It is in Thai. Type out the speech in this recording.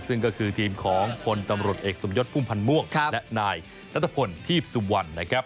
ซึ่งก็คือทีมของพลตำรวจเอกสมยศพุ่มพันธ์ม่วงและนายนัทพลทีพสุวรรณนะครับ